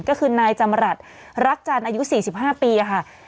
ก็คือนายจำรัฐรักจันทร์อายุ๔๕ปีค่ะ